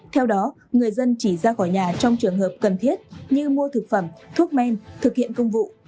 theo đó người dân chỉ ra khỏi nhà trong trường hợp cần thiết như mua thực phẩm thuốc men thực hiện công vụ